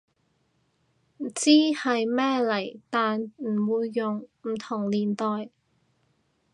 知係咩嚟但唔會用，唔同年代